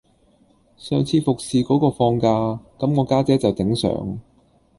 上次服侍果個放假,咁我家姐就頂上